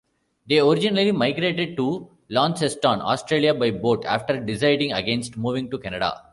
They originally migrated to Launceston, Australia by boat, after deciding against moving to Canada.